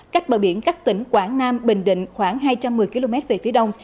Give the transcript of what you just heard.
cách bờ biển các tỉnh quảng nam bình định khoảng hai trăm một mươi km về phía đông